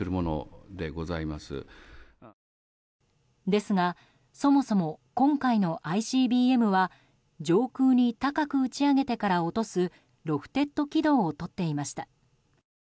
ですがそもそも今回のＩＣＢＭは上空に高く打ち上げてから落とすロフテッド軌道をとっていました。